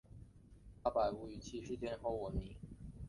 八百屋于七事件而闻名。